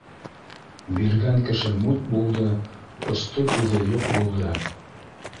— Биргән кеше мут булды, осто күҙе юҡ булды